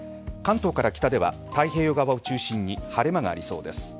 関東から北では太平洋側を中心に晴れ間がありそうです。